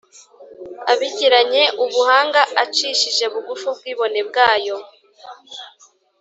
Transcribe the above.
abigiranye ubuhanga acishe bugufi ubwibone bwayo